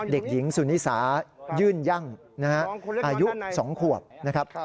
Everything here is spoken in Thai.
เด็กหญิงสุนิสายื่นยั่งนะฮะอายุ๒ขวบนะครับ